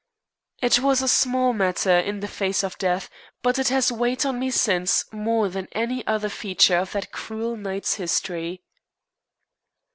It was a small matter, in the face of death, but it has weighed on me since more than any other feature of that cruel night's history.